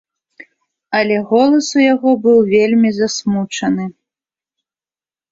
Але голас у яго быў вельмі засмучаны.